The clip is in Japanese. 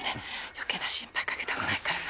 余計な心配かけたくないから。